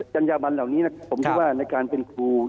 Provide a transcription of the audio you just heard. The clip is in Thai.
จัญญาบันเหล่านี้ผมคิดว่าในการเป็นครู